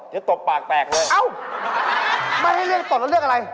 ตบปากแตกเลยเอ้าไม่ให้เรียกตบแล้วเรียกอะไร